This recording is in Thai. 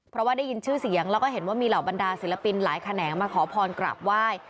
เพราะว่าได้ยินชื่อเสียงแล้วก็เห็นว่ามีเหล่าบรรดาศิลปินหลายแขนงมาขอพรกราบไหว้